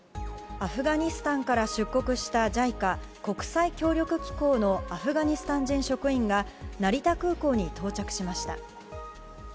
アフガニスタンから出国したＪＩＣＡ・国際協力機構のアフガニスタン人職員が成田空港に到着しました。